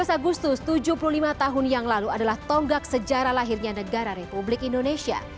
tujuh belas agustus tujuh puluh lima tahun yang lalu adalah tonggak sejarah lahirnya negara republik indonesia